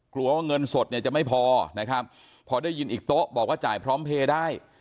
กลัวว่าเงินสดเนี่ยจะไม่พอนะครับพอได้ยินอีกโต๊ะบอกว่าจ่ายพร้อมเพลย์ได้